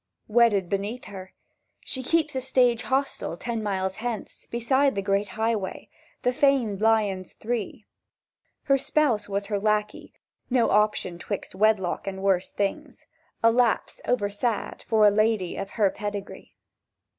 —"Wedded beneath her— She keeps the stage hostel Ten miles hence, beside the great Highway— The famed Lions Three. "Her spouse was her lackey—no option 'Twixt wedlock and worse things; A lapse over sad for a lady Of her pedigree!"